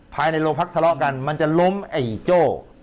ภายในโรงพักทะเลาะกันมันจะล้มไอ้โจ้